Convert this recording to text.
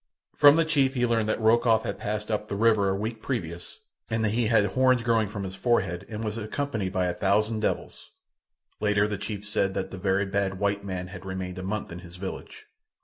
From the chief he learned that Rokoff had passed up the river a week previous, and that he had horns growing from his forehead, and was accompanied by a thousand devils. Later the chief said that the very bad white man had remained a month in his village.